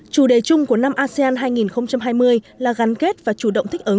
chủ đề chung của năm asean hai nghìn hai mươi là gắn kết và chủ động thích ứng